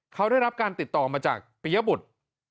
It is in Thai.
เขาได้รับการติดต่อมาจากปียบุตร